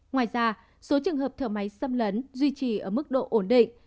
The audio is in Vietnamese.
ngoài ra số trường hợp thở máy xâm lấn duy trì ở mức độ ổn định